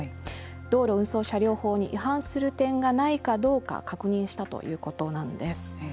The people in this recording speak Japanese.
道路運送車両法に違反する点がないかどうか確認したということなんです。